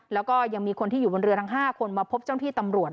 แล้วก็ยังมีคนที่อยู่บนเรือทั้ง๕คนมาพบเจ้าหน้าที่ตำรวจ